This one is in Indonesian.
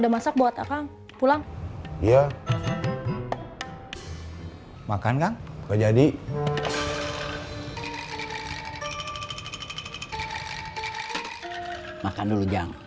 makan dulu jang